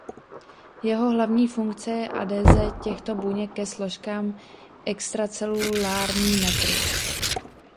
Jeho hlavní funkce je adheze těchto buněk ke složkám extracelulární matrix.